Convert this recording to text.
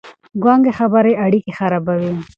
ګونګې خبرې اړيکې خرابوي.